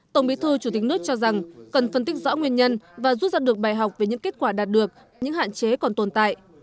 tổng bí thư chủ tịch nước cho rằng cần phân tích rõ nguyên nhân và rút ra được bài học về những kết quả đạt được những hạn chế còn tồn tại